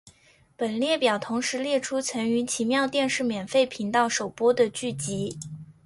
本列表同时列出曾于奇妙电视免费频道首播的剧集。